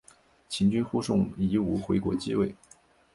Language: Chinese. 秦军护送夷吾回国即位。